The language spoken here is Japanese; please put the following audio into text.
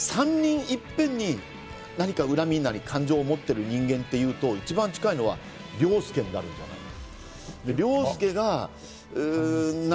失踪した３人が３人いっぺんに、何か恨みなり感情をもっている人間っていうと一番近いのは凌介になるんじゃないかと。